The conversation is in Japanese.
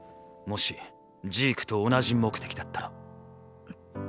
もしジークと同じ目的だったら？